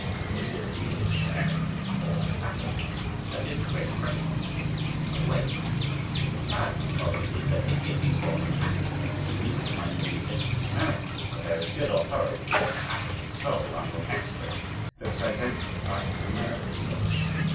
Is his music American or African? That is the great question which keeps him awake! But the sadness of it is, that if he had been born in Africa, his music might have been just as American, for there is good authority that an African soul under an X ray looks identically like an American soul.